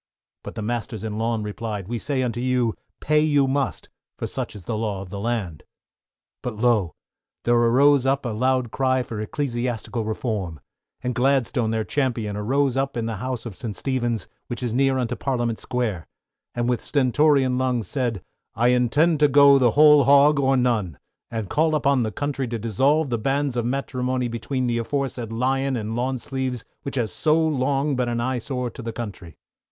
But the masters in lawn, replied, we say unto you, pay you must, for such is the law of the land. But lo! there arose up a loud cry for Ecclesiastical Reform, and Gladstone, their Champion, arose up in the house of St. Stephen's, which is near unto Parliament Square, and with stentorian lungs, said, I intend to go the whole hog or none, and call upon the country to dissolve the banns of matrimony between the aforesaid Lion and Lawn Sleeves, which has so long been an eye sore to the country.